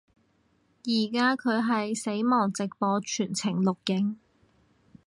依家佢係死亡直播全程錄影